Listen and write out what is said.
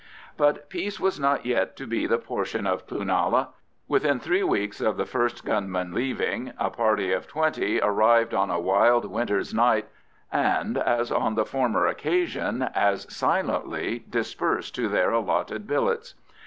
But peace was not yet to be the portion of Cloonalla. Within three weeks of the first gunman leaving, a party of twenty arrived on a wild winter's night, and, as on the former occasion, as silently dispersed to their allotted billets.